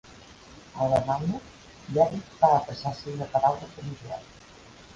A Alemanya, "Derrick" va passar a ser una paraula familiar.